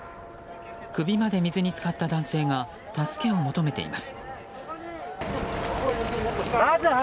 首まで水に浸かった男性が助けを求めています。